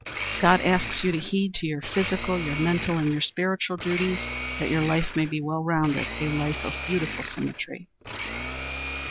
God asks you to give heed to your physical, your mental and your spiritual duties that your life may be well rounded, a life of beautiful symmetry.